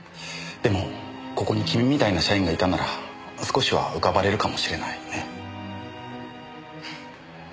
でもここに君みたいな社員がいたなら少しは浮かばれるかもしれないね。